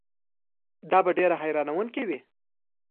دا به ډېره حیرانوونکې وي.